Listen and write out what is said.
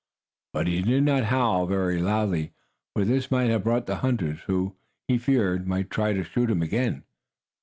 But he did not howl very loudly, for this might have brought the hunters, who, he feared, might try to shoot him again.